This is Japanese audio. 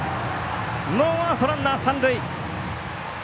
ノーアウト、ランナー、三塁。